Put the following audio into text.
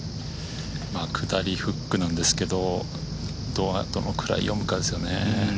下りフックなんですけどどのくらい読むかですね。